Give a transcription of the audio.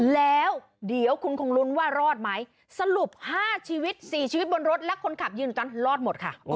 แล้วเดี๋ยวคุณคงลุ้นว่ารอดไหมสรุป๕ชีวิต๔ชีวิตบนรถและคนขับยืนตอนรอดหมดค่ะ